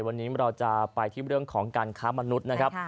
วันนี้เราจะไปที่เรื่องของการค้ามนุษย์นะครับ